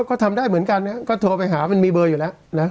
ก็ทำได้เหมือนกันนะก็โทรไปหามันมีเบอร์อยู่แล้วนะ